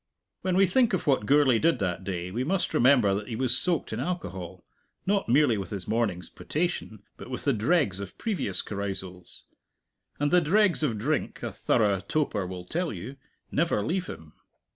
When we think of what Gourlay did that day, we must remember that he was soaked in alcohol not merely with his morning's potation, but with the dregs of previous carousals. And the dregs of drink, a thorough toper will tell you, never leave him.